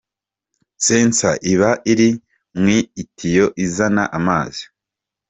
Sensor iba iri mu itiyo izana amazi .